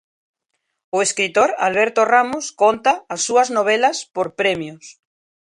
O escritor Alberto Ramos conta as súas novelas por premios.